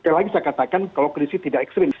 sekali lagi saya katakan kalau kondisi tidak ekstrim